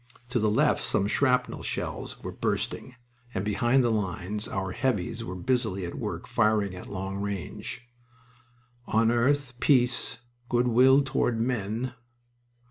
To the left some shrapnel shells were bursting, and behind the lines our "heavies" were busily at work firing at long range. "On earth peace, good will toward men."